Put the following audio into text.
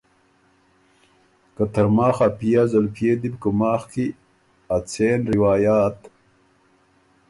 که ترماخ ا پئے ا زلپئے دی بُو کُوماخ کی ا څېن روایات،